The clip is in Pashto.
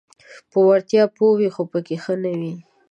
په وړتیا پوه وي خو پکې ښه نه وي: